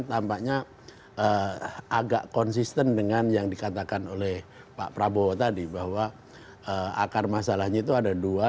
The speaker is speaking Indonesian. tampaknya agak konsisten dengan yang dikatakan oleh pak prabowo tadi bahwa akar masalahnya itu ada dua